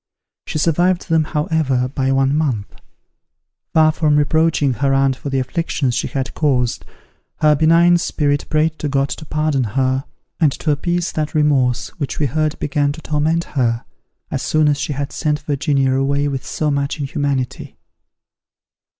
She survived them however, but one month. Far from reproaching her aunt for the afflictions she had caused, her benign spirit prayed to God to pardon her, and to appease that remorse which we heard began to torment her, as soon as she had sent Virginia away with so much inhumanity.